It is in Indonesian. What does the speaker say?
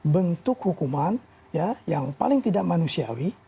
bentuk hukuman yang paling tidak manusiawi